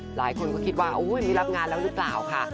หลายคนก็คิดว่าไม่รับงานแล้วหรือเปล่าค่ะ